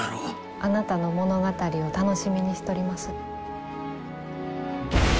あなたの物語を楽しみにしとります。